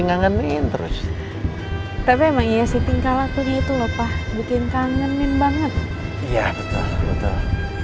ngangenin terus tapi emang iya sih tingkah lakunya itu lupa bikin kangenin banget iya betul betul